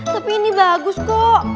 tapi ini bagus kok